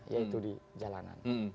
yaitu di jalanan